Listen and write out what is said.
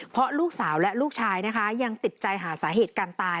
เพราะลูกสาวและลูกชายนะคะยังติดใจหาสาเหตุการตาย